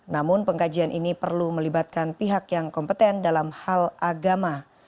namun pengkajian ini perlu melibatkan pihak yang kompeten dalam hal agama